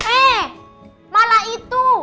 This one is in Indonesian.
eh malah itu